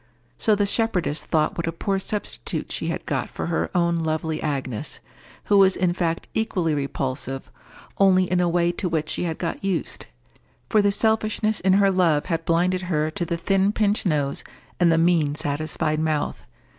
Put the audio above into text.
So the shepherdess thought what a poor substitute she had got for her own lovely Agnes—who was in fact equally repulsive, only in a way to which she had got used; for the selfishness in her love had blinded her to the thin pinched nose and the mean self satisfied mouth.